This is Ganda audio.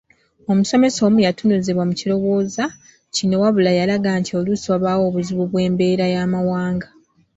Omusomesa omu yatunuzibwa mu kirowooza kino wabula yalaga nti oluusi wabaawo obuzibu bw’embeera y’amawanga.